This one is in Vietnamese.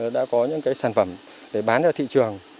đã có những sản phẩm để bán ra thị trường